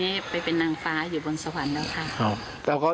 ตอนนี้ไปเป็นนางฟ้าอยู่บนสวรรค์แล้วค่ะอ้าว